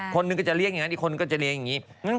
คนหนึ่งก็จะเรียกอย่างนั้นอีกคนหนึ่งก็จะเรียกอย่างนี้